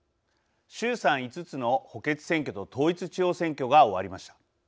衆参５つの補欠選挙と統一地方選挙が終わりました。